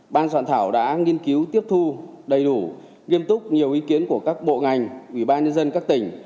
ban soạn thảo đã nghiên cứu tiếp thu đầy đủ nghiêm túc nhiều ý kiến của các bộ ngành ủy ban nhân dân các tỉnh